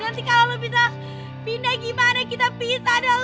nanti kalo lu pindah gimana kita pindah dulu